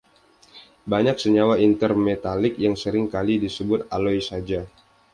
Banyak senyawa intermetalik yang sering kali disebut aloy saja.